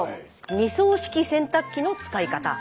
２槽式洗濯機の使い方。